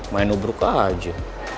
main ubruk aja